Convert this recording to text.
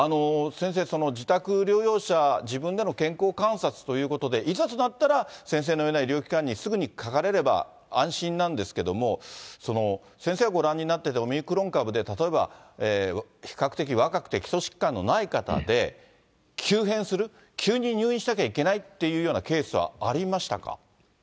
先生、自宅療養者、自分での健康観察ということで、いざとなったら、先生のような医療機関にすぐにかかれれば安心なんですけれども、先生がご覧になってて、オミクロン株で、例えば比較的若くて基礎疾患のない方で、急変する、急に入院しなきゃいけないっていうようなケースはありましたか。